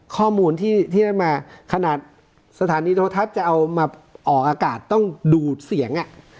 ข้อมูลที่ได้มาสถานนี้โทษทัศน์จะออกอากาศต้องดูดเสียง